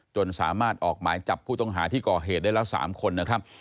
จนสามารถออกหมายจับผู้ต้องหาที่ก่อเหตุได้แล้ว๓คนนะครับ